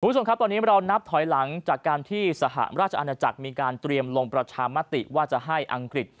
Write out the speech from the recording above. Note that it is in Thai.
คุณผู้ชมครับตอนนี้เรานับถอยหลังจากการที่สหราชอาณาจักรมีการเตรียมลงประชามติว่าจะให้อังกฤษ